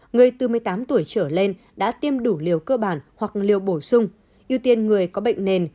người từ một mươi tám tuổi trở lên đã tiêm đủ liều cơ bản hoặc liều bổ sung ưu tiên người có bệnh nền